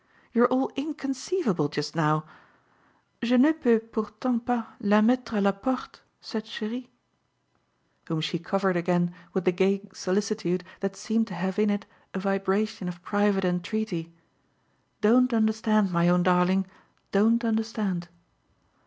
You're all inconceivable just now. Je ne peux pourtant pas la mettre a la porte, cette cherie" whom she covered again with the gay solicitude that seemed to have in it a vibration of private entreaty: "Don't understand, my own darling don't understand!"